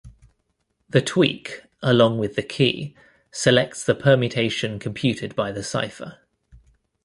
The tweak, along with the key, selects the permutation computed by the cipher.